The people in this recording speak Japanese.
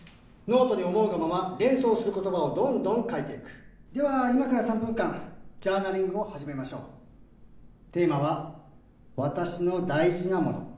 ノートに思うがまま連想する言葉をどんどん書いていくでは今から３分間ジャーナリングを始めましょうテーマは「私の大事なもの」